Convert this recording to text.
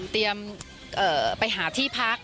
เตรียมไปหาที่พัก